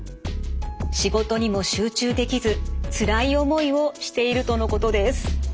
仕事にも集中できずつらい思いをしているとのことです。